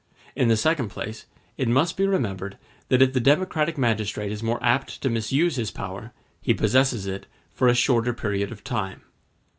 In the second place, it must be remembered that if the democratic magistrate is more apt to misuse his power, he possesses it for a shorter period of time.